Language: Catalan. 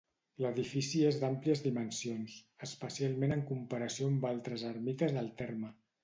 L'edifici és d'àmplies dimensions, especialment en comparació amb altres ermites del terme.